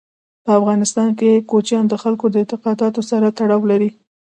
په افغانستان کې کوچیان د خلکو د اعتقاداتو سره تړاو لري.